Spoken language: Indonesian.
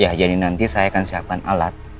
ya jadi nanti saya akan siapkan alat